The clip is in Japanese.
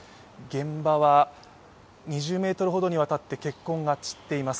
現場は２０ｍほどにわたって血痕が散っています。